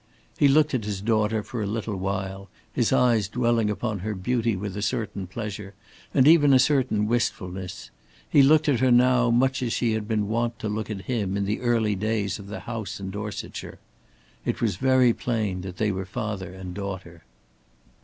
He looked at his daughter for a little while, his eyes dwelling upon her beauty with a certain pleasure, and even a certain wistfulness; he looked at her now much as she had been wont to look at him in the early days of the house in Dorsetshire. It was very plain that they were father and daughter.